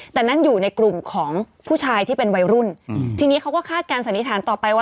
แต่นั่นอยู่ในกลุ่มของผู้ชายที่เป็นวัยรุ่นอืมทีนี้เขาก็คาดการณสันนิษฐานต่อไปว่า